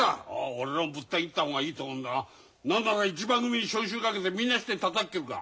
俺もぶった切った方がいいと思うんだが何なら一番組に招集かけてみんなしてたたき切るか。